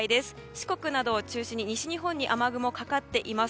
四国などを中心に西日本に雨雲がかかっています。